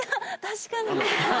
確かに。